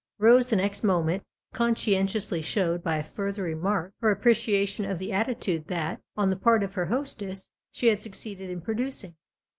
Rose the next moment conscientiously showed by a further remark her appreciation of the attitude that, on the part of her hostess, she had succeeded in producing.